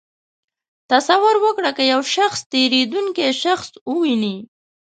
تصور وکړئ که یو شخص تېرېدونکی شخص وویني.